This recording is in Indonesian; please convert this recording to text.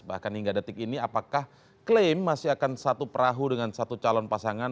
bahkan hingga detik ini apakah klaim masih akan satu perahu dengan satu calon pasangan